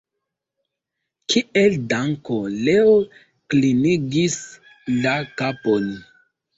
Kiel danko Leo klinigis la kapon.